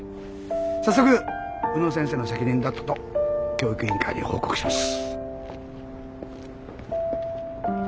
早速宇野先生の責任だったと教育委員会に報告します。